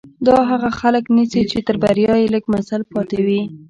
دا هغه خلک نيسي چې تر بريا يې لږ مزل پاتې وي.